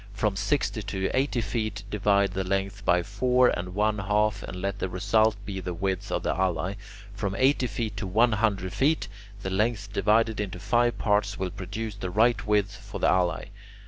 From sixty to eighty feet, divide the length by four and one half and let the result be the width of the alae. From eighty feet to one hundred feet, the length divided into five parts will produce the right width for the alae.